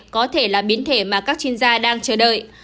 có thể là biến thể mà các chuyên gia đang chờ đợi